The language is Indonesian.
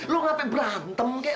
lo ngapain berantem kek